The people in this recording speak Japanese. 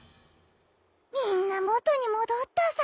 みんな元に戻ったさ。